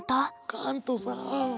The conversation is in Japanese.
カントさん。